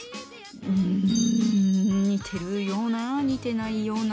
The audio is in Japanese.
うん似てるような似てないような。